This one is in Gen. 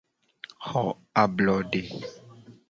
Xo ablode.